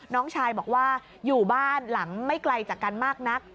น้องชายบอกว่าอยู่บ้านหลังไม่ไกลจากกันมากนัก